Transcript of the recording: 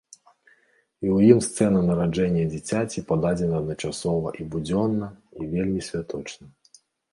У ім сцэна нараджэння дзіцяці пададзена адначасова і будзённа і вельмі святочна.